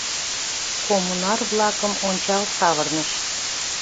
Коммунар-влакым ончал савырныш.